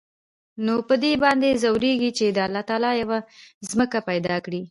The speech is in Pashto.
نو په دې باندې ځوريږي چې د الله تعال يوه ځمکه پېدا کړى.